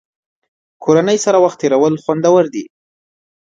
کورنۍ سره وخت تېرول خوندور دي.